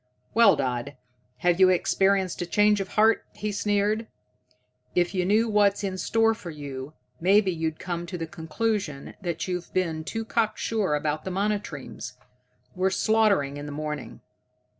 "Well, Dodd, have you experienced a change of heart?" he sneered. "If you knew what's in store for you, maybe you'd come to the conclusion that you've been too cocksure about the monotremes. We're slaughtering in the morning."